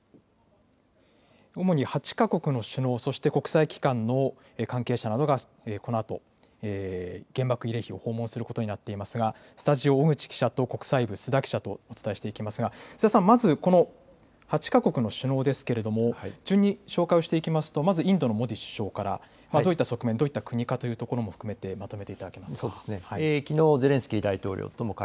主に８か国の首脳、そして国際機関の関係者などがこのあと原爆慰霊碑を訪問することになっていますがスタジオ、小口記者と国際部、須田記者とお伝えしていきますが、須田さん、まずこの８か国の首脳ですが、順に紹介をしていくとまずインドのモディ首相からどういった側面、どういった国かというところも含めてまとめていただけますか。